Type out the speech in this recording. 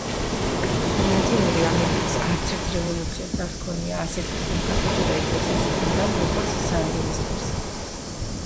ლათინური ამერიკის არც ერთ რევოლუციას არ ჰქონია ასეთი დიდი მხარდაჭერა ეკლესიიის მხრიდან, როგორც სანდინისტებს.